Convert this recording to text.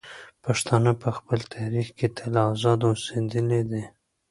پښتانه په خپل تاریخ کې تل ازاد اوسېدلي دي.